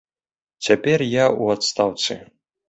Цяпер я ў адстаўцы.